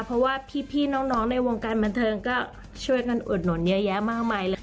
เพราะว่าพี่น้องในวงการบันเทิงก็ช่วยกันอุดหนุนเยอะแยะมากมายเลยค่ะ